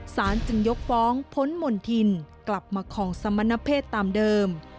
สารจึงยกฟ้องพ้นมณฑินกลับมาของสมณเพศตามเดิม